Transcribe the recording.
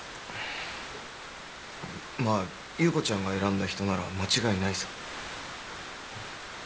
まぁ優子ちゃんが選んだ人なら間違いないさ。